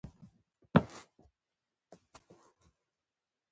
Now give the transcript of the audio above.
مه پرېږده چې لومړۍ ناکامي دې د جګړې له ډګر وباسي.